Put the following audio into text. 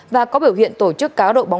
và có biểu hiện tổ chức cáo độ bóng đá qua mạng